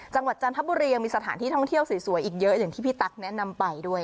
จันทบุรียังมีสถานที่ท่องเที่ยวสวยอีกเยอะอย่างที่พี่ตั๊กแนะนำไปด้วย